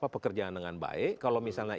pekerjaan dengan baik kalau misalnya